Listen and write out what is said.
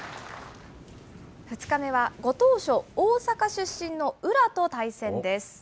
２日目はご当所、大阪出身の宇良と対戦です。